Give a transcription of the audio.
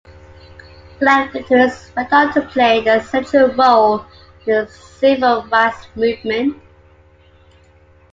Black veterans went on to play a central role in the Civil Rights movement.